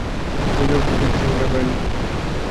আমি যেভাবে বলছি সেভাবে এফআইআর লিখ।